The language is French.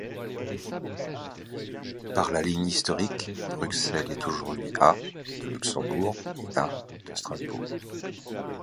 Par la ligne historique, Bruxelles est aujourd'hui à de Luxembourg et à de Strasbourg.